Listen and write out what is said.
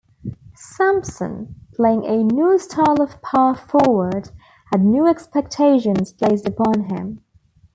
Sampson, playing a new style of power forward, had new expectations placed upon him.